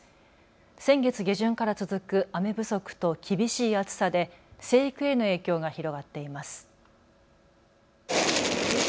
先月下旬から続く雨不足と厳しい暑さで生育への影響が広がっています。